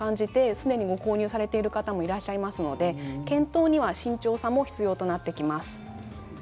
すでに購入されている方もいらっしゃいますので検討には慎重さも必要となってきます。